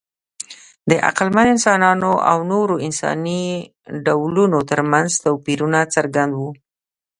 د عقلمن انسانانو او نورو انساني ډولونو ترمنځ توپیرونه څرګند وو.